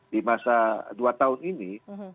di masa dua tahun ini